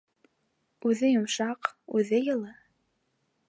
Үҙе йомшаҡ, үҙе йылы.